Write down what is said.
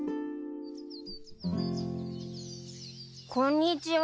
こんにちは。